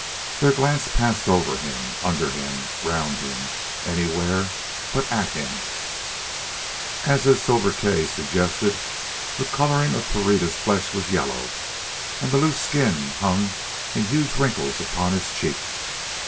Their glance passed over him, under him, round him, anywhere but at him. As his sobriquet suggested, the colouring of Pereira's flesh was yellow, and the loose skin hung in huge wrinkles upon his cheeks.